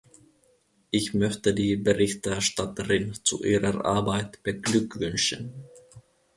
Ich möchte die Berichterstatterin zu ihrer Arbeit beglückwünschen.